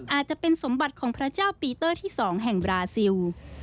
อาจจะเป็นสมบัติของพระเจ้าปีเตอร์ที่๒แห่งบราซิล